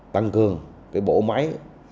tăng cường bộ máy